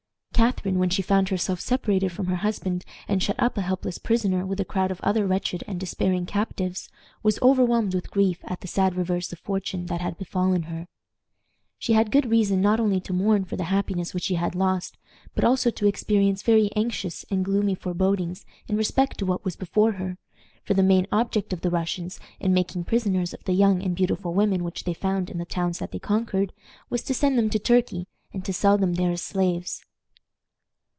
Catharine, when she found herself separated from her husband and shut up a helpless prisoner with a crowd of other wretched and despairing captives, was overwhelmed with grief at the sad reverse of fortune that had befallen her. She had good reason not only to mourn for the happiness which she had lost, but also to experience very anxious and gloomy forebodings in respect to what was before her, for the main object of the Russians in making prisoners of the young and beautiful women which they found in the towns that they conquered, was to send them to Turkey, and to sell them there as slaves.